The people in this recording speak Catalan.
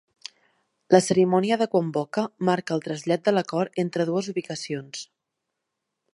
La cerimònia de Kuomboka marca el trasllat de la cort entre dues ubicacions.